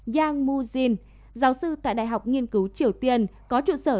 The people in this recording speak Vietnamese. yang mu jin giáo sư tại đại học nghiên cứu triều tiên có trụ sở tại seoul nói